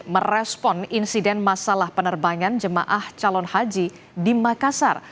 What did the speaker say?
merespon insiden masalah penerbangan jemaah calon haji di makassar